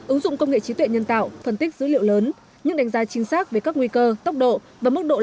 ứng dụng công nghệ trí tuệ nhân tạo phân tích dữ liệu lớn những đánh giá chính xác về các nguy cơ tốc độ và mức độ